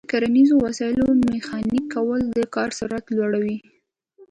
د کرنیزو وسایلو میخانیکي کول د کار سرعت لوړوي.